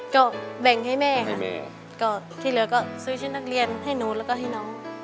ก็แบ่งให้แม่ค่ะแม่ก็ที่เหลือก็ซื้อชุดนักเรียนให้หนูแล้วก็ให้น้อง